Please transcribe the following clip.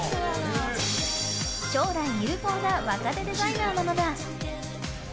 将来有望な若手デザイナーなのだ。